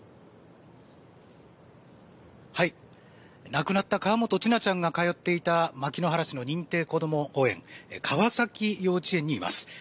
亡くなった河本千奈ちゃんが通っていた牧之原市の認定こども園川崎幼稚園にいます。